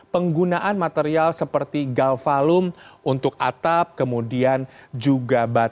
penggunaan material seperti galvalum untuk atap kemudian juga batu